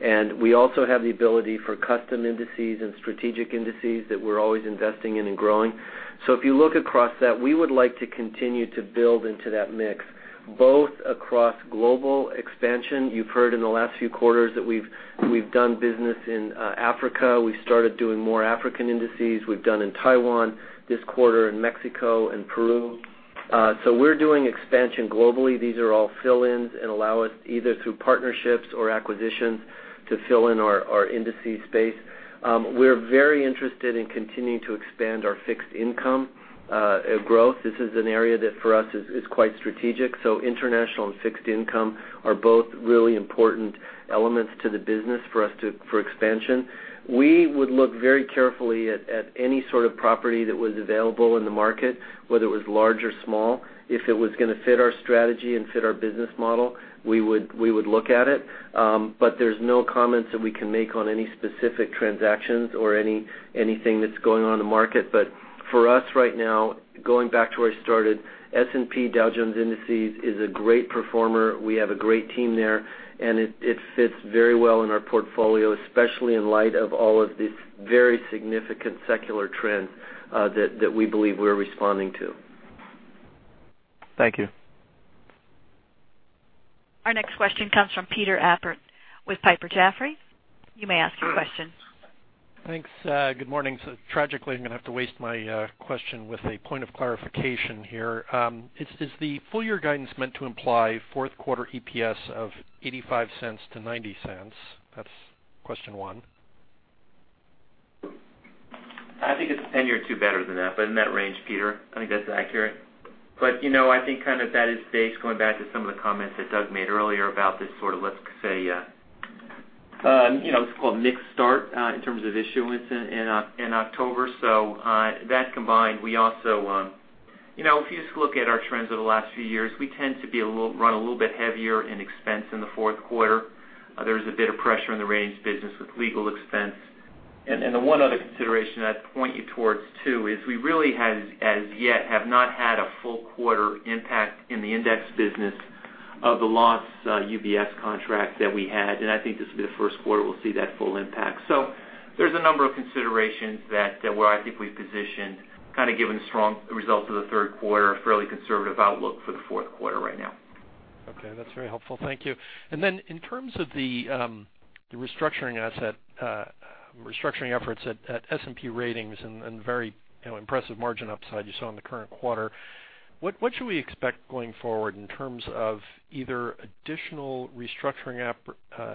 We also have the ability for custom indices and strategic indices that we're always investing in and growing. If you look across that, we would like to continue to build into that mix, both across global expansion. You've heard in the last few quarters that we've done business in Africa. We started doing more African indices. We've done in Taiwan this quarter, in Mexico and Peru. We're doing expansion globally. These are all fill-ins and allow us either through partnerships or acquisitions to fill in our indices space. We're very interested in continuing to expand our fixed income growth. This is an area that for us is quite strategic, so international and fixed income are both really important elements to the business for us for expansion. We would look very carefully at any sort of property that was available in the market, whether it was large or small. If it was going to fit our strategy and fit our business model, we would look at it. There's no comments that we can make on any specific transactions or anything that's going on in the market. For us right now, going back to where I started, S&P Dow Jones Indices is a great performer. We have a great team there, and it fits very well in our portfolio, especially in light of all of these very significant secular trends that we believe we're responding to. Thank you. Our next question comes from Peter Appert with Piper Jaffray. You may ask your question. Thanks. Good morning. Tragically, I'm going to have to waste my question with a point of clarification here. Is the full year guidance meant to imply fourth quarter EPS of $0.85-$0.90? That's question one. I think it's a penny or two better than that. In that range, Peter. I think that's accurate. I think that is based, going back to some of the comments that Doug made earlier about this, let's say, it's called mixed start in terms of issuance in October. That combined, if you just look at our trends over the last few years, we tend to run a little bit heavier in expense in the fourth quarter. There's a bit of pressure in the range business with legal expense. The one other consideration I'd point you towards, too, is we really as yet have not had a full quarter impact in the index business Of the lost UBS contract that we had. I think this will be the first quarter we'll see that full impact. There's a number of considerations that where I think we've positioned, given the strong results of the third quarter, a fairly conservative outlook for the fourth quarter right now. Okay. That's very helpful. Thank you. Then in terms of the restructuring efforts at S&P Ratings and very impressive margin upside you saw in the current quarter, what should we expect going forward in terms of either additional restructuring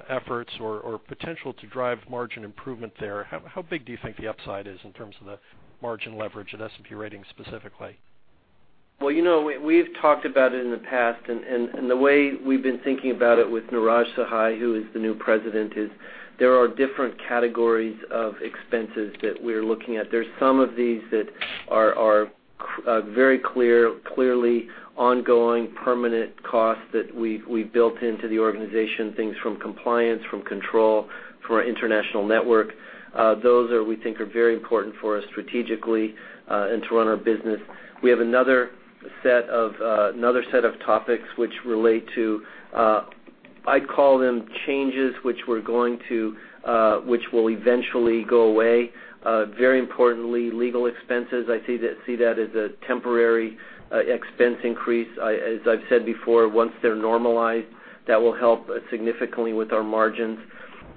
efforts or potential to drive margin improvement there? How big do you think the upside is in terms of the margin leverage at S&P Ratings specifically? Well, we've talked about it in the past, and the way we've been thinking about it with Neeraj Sahai, who is the new President, is there are different categories of expenses that we're looking at. There's some of these that are very clearly ongoing permanent costs that we've built into the organization, things from compliance, from control, from our international network. Those we think are very important for us strategically, and to run our business. We have another set of topics which relate to, I call them changes, which will eventually go away. Very importantly, legal expenses. I see that as a temporary expense increase. As I've said before, once they're normalized, that will help significantly with our margins.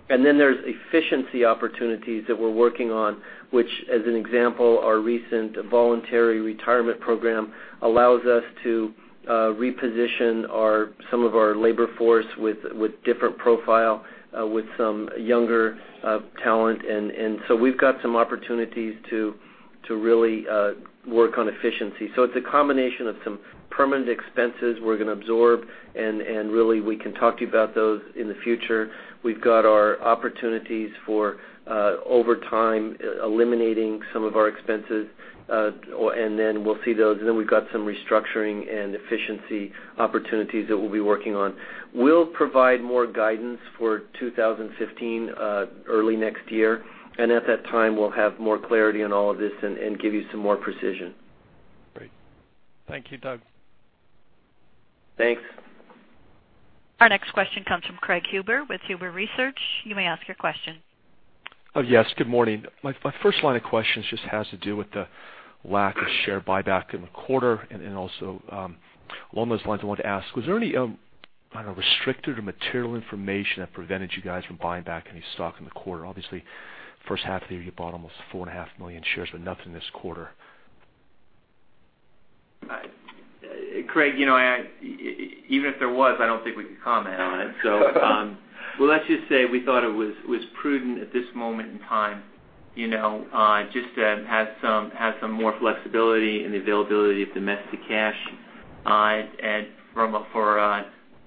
Then there's efficiency opportunities that we're working on, which, as an example, our recent voluntary retirement program allows us to reposition some of our labor force with different profile, with some younger talent. We've got some opportunities to really work on efficiency. It's a combination of some permanent expenses we're going to absorb, and really, we can talk to you about those in the future. We've got our opportunities for overtime, eliminating some of our expenses, then we'll see those. Then we've got some restructuring and efficiency opportunities that we'll be working on. We'll provide more guidance for 2015, early next year, and at that time, we'll have more clarity on all of this and give you some more precision. Great. Thank you, Doug. Thanks. Our next question comes from Craig Huber with Huber Research. You may ask your question. Yes, good morning. My first line of questions just has to do with the lack of share buyback in the quarter, then also, along those lines, I wanted to ask, was there any restricted or material information that prevented you guys from buying back any stock in the quarter? Obviously, first half of the year, you bought almost four and a half million shares, but nothing this quarter. Craig, even if there was, I don't think we could comment on it. Let's just say we thought it was prudent at this moment in time, just to have some more flexibility and the availability of domestic cash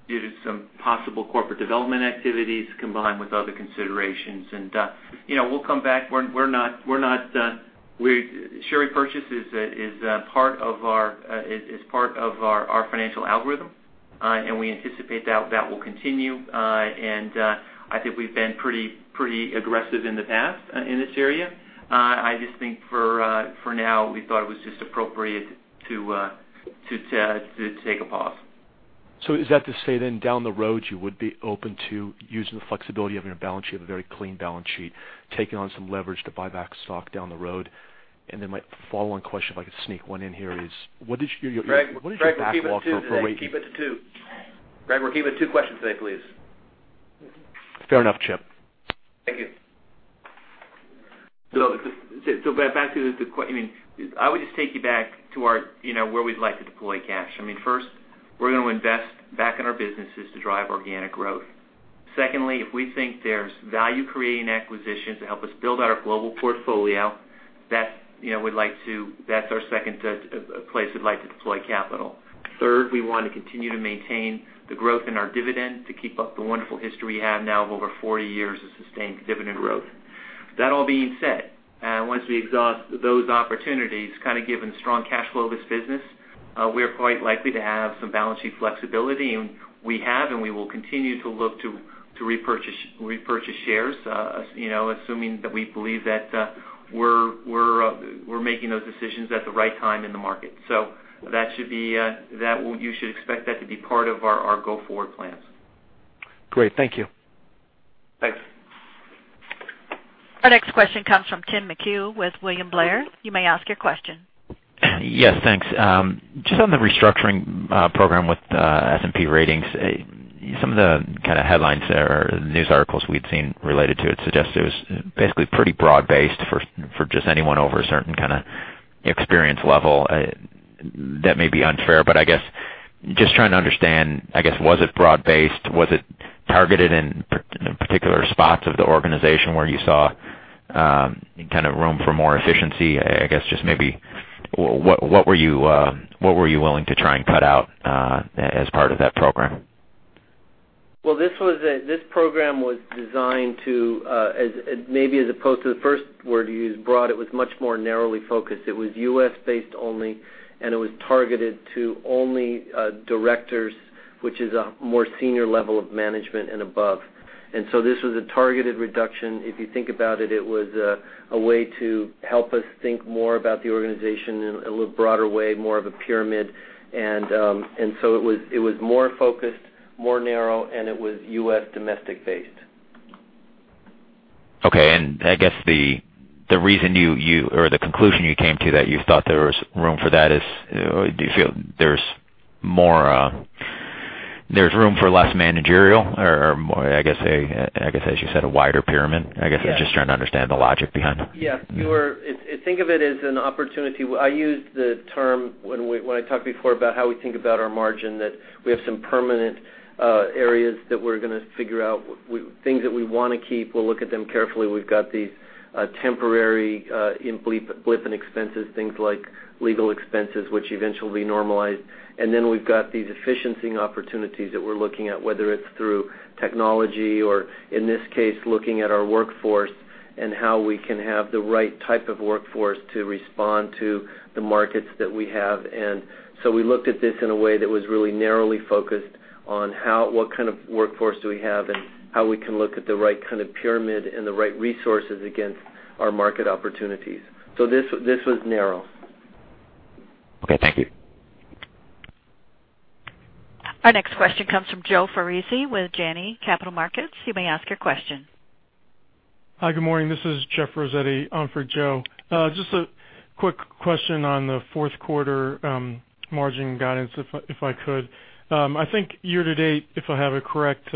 due to some possible corporate development activities combined with other considerations. We'll come back. Share repurchase is part of our financial algorithm, we anticipate that will continue. I think we've been pretty aggressive in the past in this area. I just think for now, we thought it was just appropriate to take a pause. Is that to say then down the road, you would be open to using the flexibility of your balance sheet, a very clean balance sheet, taking on some leverage to buy back stock down the road? Then my follow-on question, if I could sneak one in here, is what did you Craig, we'll keep it to two questions today, please. Fair enough, Chip. Thank you. I would just take you back to where we'd like to deploy cash. First, we're going to invest back in our businesses to drive organic growth. Secondly, if we think there's value creating acquisitions to help us build out our global portfolio, that's our second place we'd like to deploy capital. Third, we want to continue to maintain the growth in our dividend to keep up the wonderful history we have now of over 40 years of sustained dividend growth. That all being said, once we exhaust those opportunities, kind of given strong cash flow of this business, we are quite likely to have some balance sheet flexibility, and we will continue to look to repurchase shares, assuming that we believe that we're making those decisions at the right time in the market. You should expect that to be part of our go-forward plans. Great. Thank you. Thanks. Our next question comes from Tim McHugh with William Blair. You may ask your question. Yes. Thanks. Just on the restructuring program with S&P Ratings, some of the headlines there or news articles we'd seen related to it suggest it was basically pretty broad-based for just anyone over a certain kind of experience level. That may be unfair, but I guess, just trying to understand, I guess, was it broad-based? Was it targeted in particular spots of the organization where you saw room for more efficiency? I guess just maybe, what were you willing to try and cut out as part of that program? This program was designed to, maybe as opposed to the first word you used, broad, it was much more narrowly focused. It was U.S.-based only, it was targeted to only directors, which is a more senior level of management and above. This was a targeted reduction. If you think about it was a way to help us think more about the organization in a little broader way, more of a pyramid. It was more focused, more narrow, and it was U.S. domestic based. Okay. I guess the reason you, or the conclusion you came to that you thought there was room for that is, do you feel there's room for less managerial or, I guess, as you said, a wider pyramid? Yeah. I guess I'm just trying to understand the logic behind it. Yeah. Think of it as an opportunity. I used the term when I talked before about how we think about our margin, that we have some permanent areas that we're going to figure out, things that we want to keep. We'll look at them carefully. We've got these temporary blip in expenses, things like legal expenses, which eventually normalize. Then we've got these efficiency opportunities that we're looking at, whether it's through technology or, in this case, looking at our workforce and how we can have the right type of workforce to respond to the markets that we have. We looked at this in a way that was really narrowly focused on what kind of workforce do we have and how we can look at the right kind of pyramid and the right resources against our market opportunities. This was narrow. Okay. Thank you. Our next question comes from Joseph Foresi with Janney Montgomery Scott. You may ask your question. Hi. Good morning. This is Jeff Foresi for Joe. Just a quick question on the fourth quarter margin guidance, if I could. I think year-to-date, if I have it correct,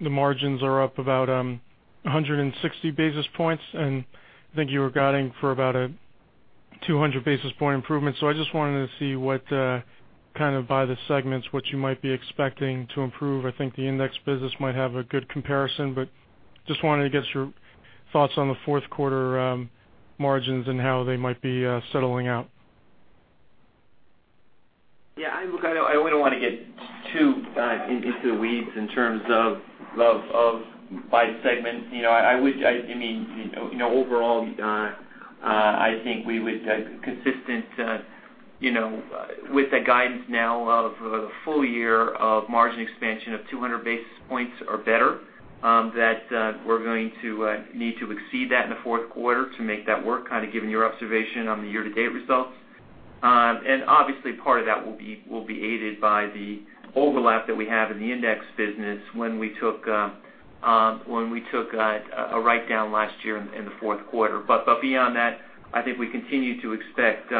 the margins are up about 160 basis points, and I think you were guiding for about a 200 basis point improvement. I just wanted to see what, kind of by the segments, what you might be expecting to improve. I think the index business might have a good comparison, but just wanted to get your thoughts on the fourth quarter margins and how they might be settling out. Yeah. Look, I wouldn't want to get too into the weeds in terms of by segment. Overall, I think we would, consistent with the guidance now of a full year of margin expansion of 200 basis points or better, that we're going to need to exceed that in the fourth quarter to make that work, kind of given your observation on the year-to-date results. Obviously, part of that will be aided by the overlap that we have in the index business when we took a write-down last year in the fourth quarter. Beyond that, I think we continue to expect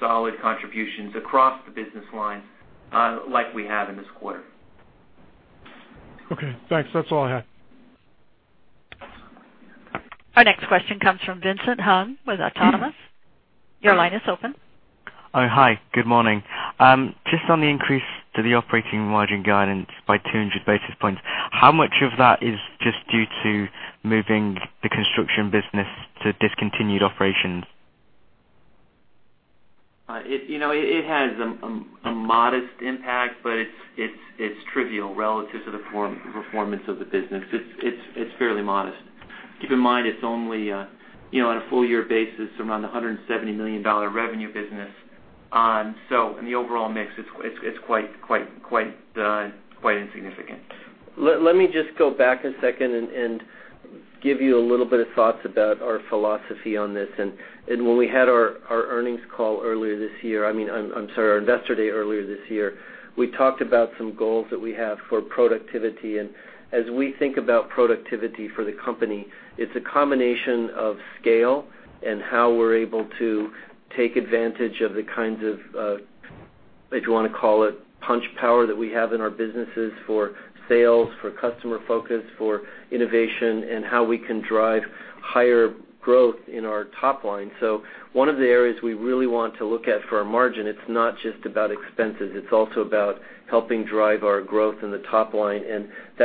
solid contributions across the business lines like we have in this quarter. Okay, thanks. That's all I had. Our next question comes from Vincent Hung with Autonomous. Your line is open. Oh, hi. Good morning. Just on the increase to the operating margin guidance by 200 basis points, how much of that is just due to moving the construction business to discontinued operations? It has a modest impact, it's trivial relative to the performance of the business. It's fairly modest. Keep in mind, it's only on a full year basis, around the $170 million revenue business. In the overall mix, it's quite insignificant. Let me just go back a second and give you a little bit of thoughts about our philosophy on this. When we had our earnings call earlier this year, I'm sorry, our Investor Day earlier this year, we talked about some goals that we have for productivity. As we think about productivity for the company, it's a combination of scale and how we're able to take advantage of the kinds of, if you want to call it punch power that we have in our businesses for sales, for customer focus, for innovation, and how we can drive higher growth in our top line. One of the areas we really want to look at for our margin, it's not just about expenses, it's also about helping drive our growth in the top line.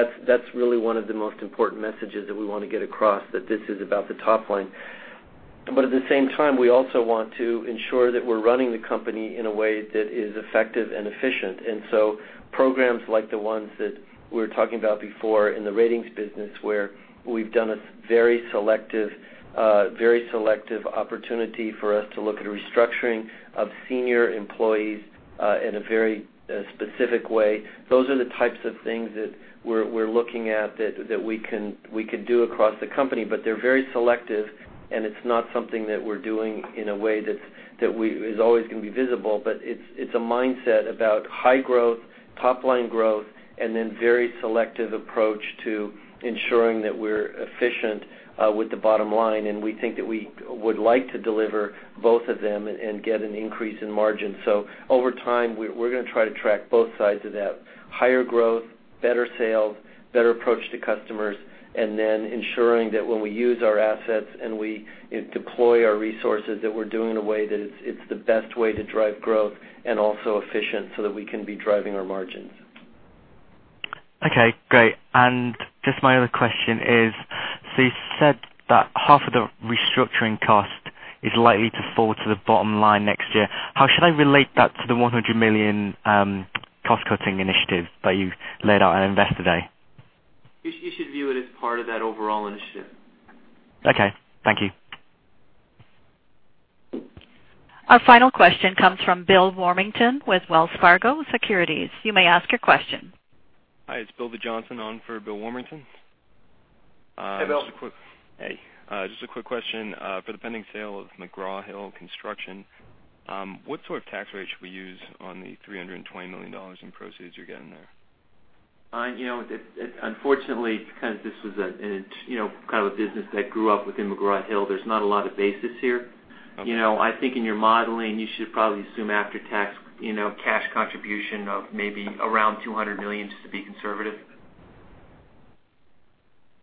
That's really one of the most important messages that we want to get across, that this is about the top line. At the same time, we also want to ensure that we're running the company in a way that is effective and efficient. Programs like the ones that we were talking about before in the ratings business, where we've done a very selective opportunity for us to look at a restructuring of senior employees in a very specific way. Those are the types of things that we're looking at that we can do across the company. They're very selective, and it's not something that we're doing in a way that is always going to be visible. It's a mindset about high growth, top line growth, and then very selective approach to ensuring that we're efficient with the bottom line. We think that we would like to deliver both of them and get an increase in margin. Over time, we're going to try to track both sides of that. Higher growth, better sales, better approach to customers, and then ensuring that when we use our assets and we deploy our resources, that we're doing in a way that it's the best way to drive growth and also efficient so that we can be driving our margins. Okay, great. Just my other question is, you said that half of the restructuring cost is likely to fall to the bottom line next year. How should I relate that to the $100 million cost-cutting initiative that you laid out on Investor Day? You should view it as part of that overall initiative. Okay. Thank you. Our final question comes from Bill Warmington with Wells Fargo Securities. You may ask your question. Hi, it's Bill Johnson on for Bill Warmington. Hey, Bill. Hey. Just a quick question. For the pending sale of McGraw Hill Construction, what sort of tax rate should we use on the $320 million in proceeds you're getting there? Unfortunately, because this was kind of a business that grew up within McGraw Hill, there's not a lot of basis here. Okay. I think in your modeling, you should probably assume after-tax cash contribution of maybe around $200 million, just to be conservative.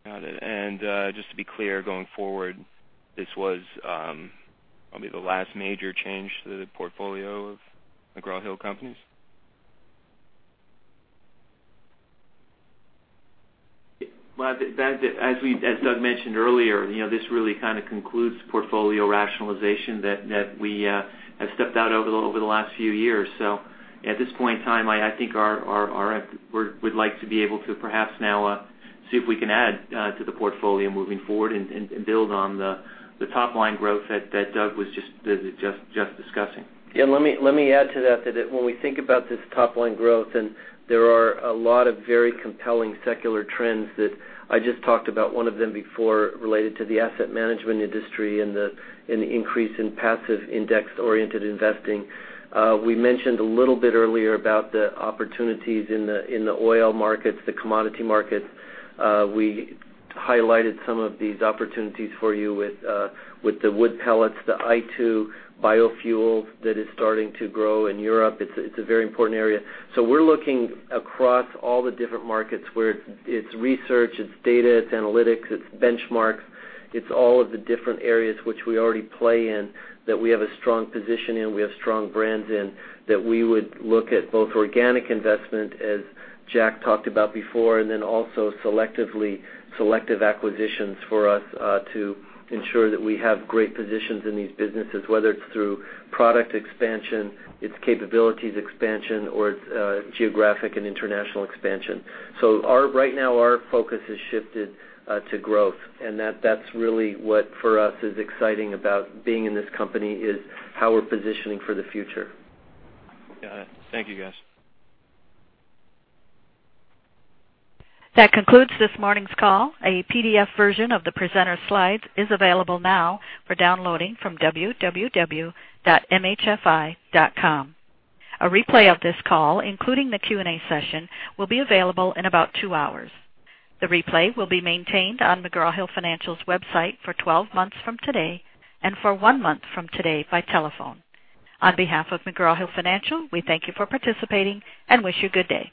Got it. Just to be clear, going forward, this was probably the last major change to the portfolio of The McGraw-Hill Companies? Well, as Doug mentioned earlier, this really kind of concludes the portfolio rationalization that we have stepped out over the last few years. At this point in time, I think we'd like to be able to perhaps now see if we can add to the portfolio moving forward and build on the top-line growth that Doug was just discussing. Yeah, let me add to that, when we think about this top-line growth, there are a lot of very compelling secular trends that I just talked about one of them before related to the asset management industry and the increase in passive index-oriented investing. We mentioned a little bit earlier about the opportunities in the oil markets, the commodity markets. We highlighted some of these opportunities for you with the wood pellets, the [I2 biofuels] that is starting to grow in Europe. It's a very important area. We're looking across all the different markets where it's research, it's data, it's analytics, it's benchmarks, it's all of the different areas which we already play in, that we have a strong position in, we have strong brands in, that we would look at both organic investment, as Jack talked about before, also selective acquisitions for us to ensure that we have great positions in these businesses, whether it's through product expansion, it's capabilities expansion, or it's geographic and international expansion. Right now, our focus has shifted to growth, that's really what for us is exciting about being in this company is how we're positioning for the future. Got it. Thank you, guys. That concludes this morning's call. A PDF version of the presenter slides is available now for downloading from www.mhfi.com. A replay of this call, including the Q&A session, will be available in about two hours. The replay will be maintained on McGraw Hill Financial's website for 12 months from today and for one month from today by telephone. On behalf of McGraw Hill Financial, we thank you for participating and wish you good day.